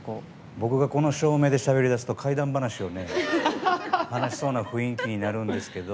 僕がこの照明で話し出すと怪談話を話しそうな雰囲気になるんですけど。